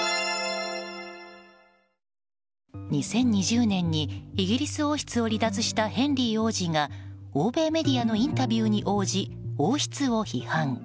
２０２０年にイギリス王室を離脱したヘンリー王子が欧米メディアのインタビューに応じ、王室を批判